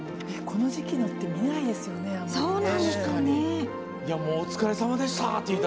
この時期のって見ないですよね、あまり。